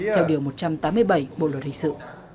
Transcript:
theo điều một trăm tám mươi bảy bộ luật hình sự